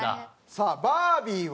さあバービーは？